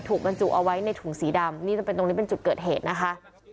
บรรจุเอาไว้ในถุงสีดำนี่จะเป็นตรงนี้เป็นจุดเกิดเหตุนะคะ